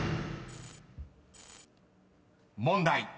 ［問題］